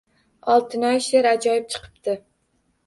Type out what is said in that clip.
Oltinoy, sheʼr ajoyib chiqibdi